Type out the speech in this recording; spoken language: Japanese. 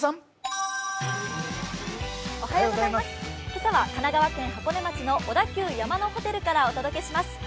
今朝は神奈川県箱根町の小田急山のホテルからお送りします。